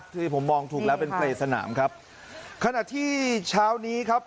ที่ผมมองถูกแล้วเป็นเปรย์สนามครับขณะที่เช้านี้ครับ